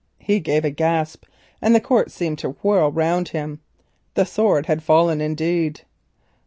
He gave a gasp, and the court seemed to whirl round him. The sword had fallen indeed!